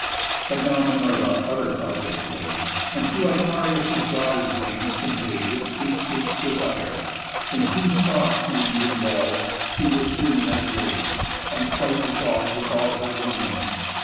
But now Minerva other projects laid, And through Icarius' daughter's veins convey'd Sweet sleep's desire; in whose soft fumes involv'd She was as soon as laid, and quite dissolv'd Were all her lineaments.